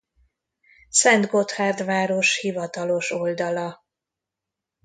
Szentgotthárd város hivatalos oldala